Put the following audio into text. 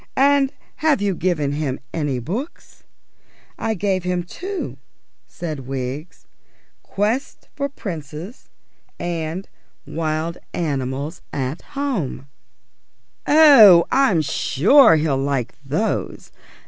And have you given him any books?" "I gave him two," said Wiggs. "Quests for Princes, and Wild Animals at Home." "Oh, I'm sure he'll like those.